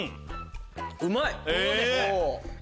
うまい。